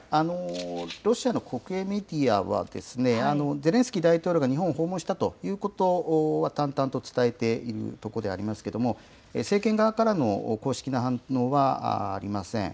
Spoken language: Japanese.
ロシアの国営メディアは、ゼレンスキー大統領が日本を訪問したということは淡々と伝えているところでありますけれども、政権側からの公式な反応はありません。